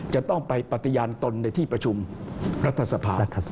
จะต้องไปปฏิญาณตนในที่ประชุมรัฐสภา